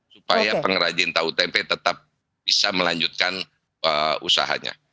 supaya pengrajin tahu tempe tetap bisa melanjutkan usahanya